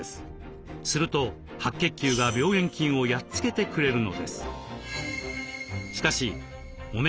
すると白血球が病原菌をやっつけてくれるのです。